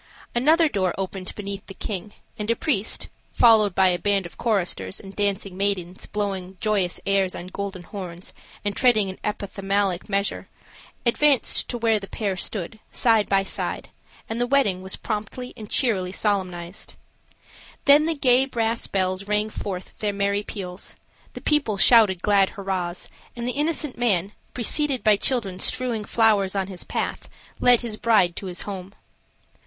Another door opened beneath the king, and a priest, followed by a band of choristers, and dancing maidens blowing joyous airs on golden horns and treading an epithalamic measure, advanced to where the pair stood, side by side, and the wedding was promptly and cheerily solemnized. Then the gay brass bells rang forth their merry peals, the people shouted glad hurrahs, and the innocent man, preceded by children strewing flowers on his path, led his bride to his home.